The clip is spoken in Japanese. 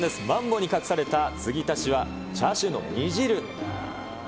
マンボに隠された継ぎ足しは、チャーシューの煮汁。